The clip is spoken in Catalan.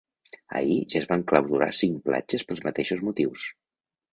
Ahir ja es van clausurar cinc platges pels mateixos motius.